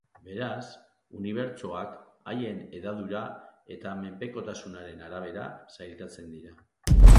Beraz, unibertsoak haien hedadura eta menpekotasunaren arabera sailkatzen dira.